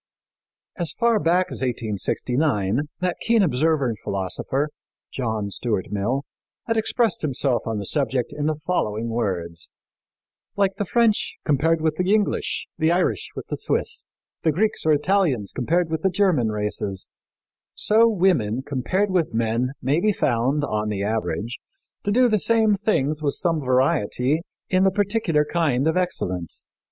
As far back as 1869 that keen observer and philosopher, John Stuart Mill, had expressed himself on the subject in the following words: "Like the French compared with the English, the Irish with the Swiss, the Greeks or Italians compared with the German races, so women compared with men may be found, on the average, to do the same things with some variety in the particular kind of excellence.